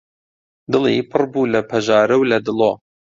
دڵی پڕ بوو لە پەژارە و لە دڵۆ